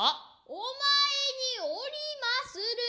御前に居りまする。